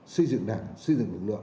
xây dựng đảng xây dựng lực lượng